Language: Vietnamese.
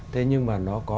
thế nhưng mà nó có